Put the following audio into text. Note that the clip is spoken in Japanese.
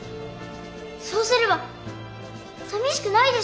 そうすればさみしくないでしょ！